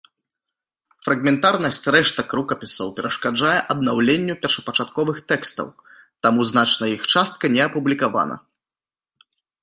Фрагментарнасць рэштак рукапісаў перашкаджае аднаўленню першапачатковых тэкстаў, таму значная іх частка не апублікавана.